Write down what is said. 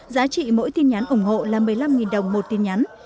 giá trị mỗi tin nhắn ủng hộ là một mươi năm đồng một tin nhắn